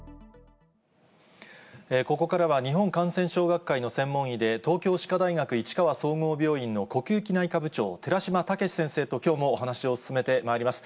ここからは、日本感染症学会の専門医で、東京歯科大学市川総合病院の呼吸器内科部長、寺嶋毅先生ときょうもお話を進めてまいります。